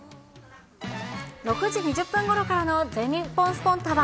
６時２０分ごろからの全日本スポンタっ！は。